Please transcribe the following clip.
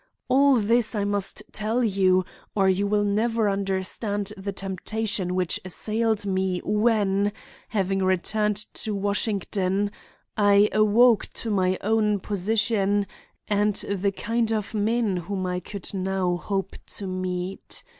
All this I must tell you or you will never understand the temptation which assailed me when, having returned to Washington, I awoke to my own position and the kind of men whom I could now hope to meet.